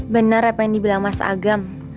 benar apa yang dibilang mas agam